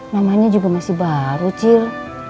namanya juga masih baru cir